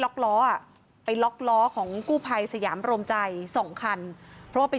ล็อคล้อไปล็อคล้อของกู้ภัยสยามบรมใจ๒คันเพราะว่าไป